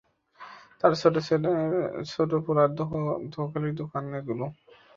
তার ছোট পোলার দখলেই থাকে এগুলো।